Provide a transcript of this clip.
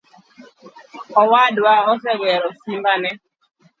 Owadwa osegero simba ne